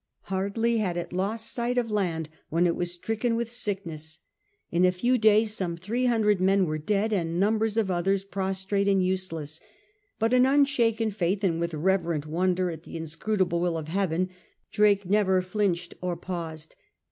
Hardly had it lost sight of land when it was stricken with sickness. In a few days some three hundred men were dead, and numbers of others prostrate and useless ; but in unshaken faith and with reverent wonder at the inscrutable will of Heaven, Drake never flinched or paused.